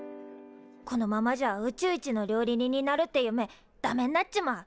このままじゃあ宇宙一の料理人になるって夢ダメんなっちまう。